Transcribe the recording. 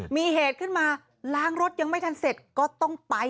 มีเหตุขึ้นมาล้างรถยังไม่ทันเสร็จก็ต้องไป